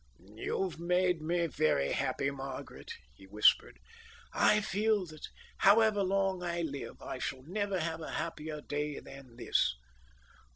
"You've made me very happy, Margaret," he whispered. "I feel that, however long I live, I shall never have a happier day than this."